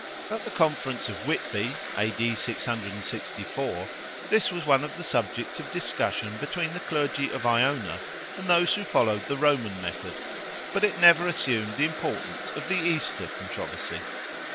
At the conference of Whitby (A.D. 664) this was one of the subjects of discussion between the clergy of Iona, and those who followed the Roman method—but it never assumed the importance of the Easter controversy.